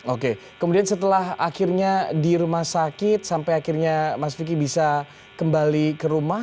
oke kemudian setelah akhirnya di rumah sakit sampai akhirnya mas vicky bisa kembali ke rumah